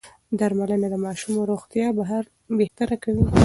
درملنه د ماشوم روغتيا بهتره کوي.